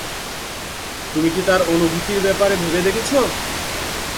তুমি কি তার অনুভূতির ব্যাপারে ভেবে দেখেছো?